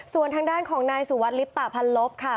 ส่วนทางด้านของนายสุวัสดิลิปตะพันลบค่ะ